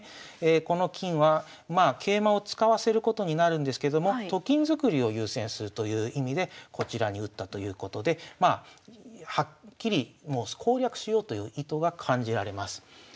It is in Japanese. この金はまあ桂馬を使わせることになるんですけどもと金作りを優先するという意味でこちらに打ったということでまあはっきりもう攻略しようという意図が感じられます。